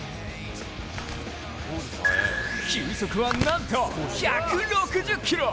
球速はなんと１６０キロ！